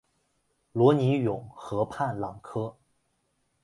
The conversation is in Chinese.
罗尼永河畔朗科。